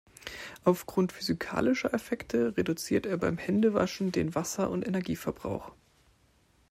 Aufgrund physikalischer Effekte reduziert er beim Händewaschen den Wasser- und Energieverbrauch.